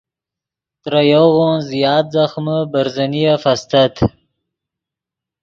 ترے یوغون زیات ځخمے برزنیف استت